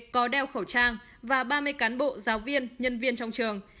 có đeo khẩu trang và ba mươi cán bộ giáo viên nhân viên trong trường